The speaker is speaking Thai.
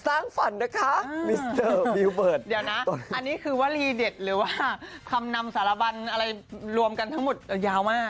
อันนี้คือวารีเดชน์หรือว่าคำนำสารบรรย์อะไรรวมกันทั้งหมดยาวมาก